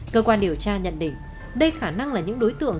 cơ quan điều tra nhận định đây khả năng là những đối tượng